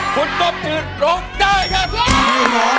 คุณต้มจืดร้องได้ครับ